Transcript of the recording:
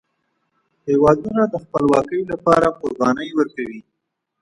هیوادونه د خپلواکۍ لپاره قربانۍ ورکوي.